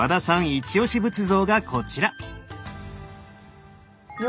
イチオシ仏像がこちら。